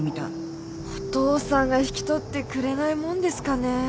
お父さんが引き取ってくれないもんですかね。